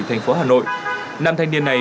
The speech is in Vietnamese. tp hà nội năm thanh niên này